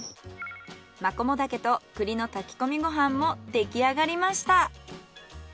マコモダケと栗の炊き込みご飯も出来上がりました。